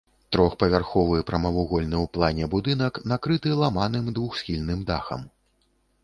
Трохпавярховы, прамавугольны ў плане будынак, накрыты ламаным двухсхільным дахам.